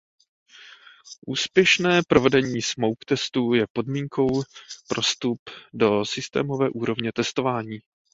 Úspěšné provedení smoke testů je podmínkou pro vstup do systémové úrovně testování.